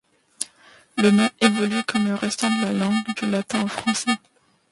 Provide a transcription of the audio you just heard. Le nom évolue comme le restant de la langue, du latin au français.